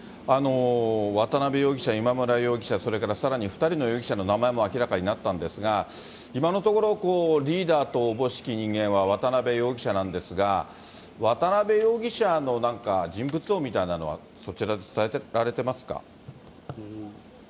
渡辺容疑者、今村容疑者、それからさらに２人の容疑者の名前も明らかになったんですが、今のところ、リーダーとおぼしき人間は、渡辺容疑者なんですが、渡辺容疑者のなんか、人物像みたいなのは、そちらで伝えられてますか。